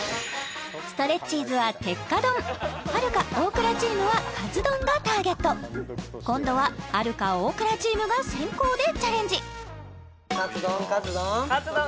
ストレッチーズは鉄火丼はるか・大倉チームはカツ丼がターゲット今度ははるか・大倉チームが先攻でチャレンジカツ丼カツ丼！